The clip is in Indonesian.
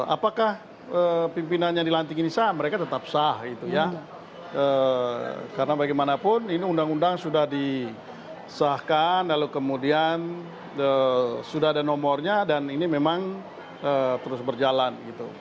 apakah pimpinan yang dilantik ini sah mereka tetap sah gitu ya karena bagaimanapun ini undang undang sudah disahkan lalu kemudian sudah ada nomornya dan ini memang terus berjalan gitu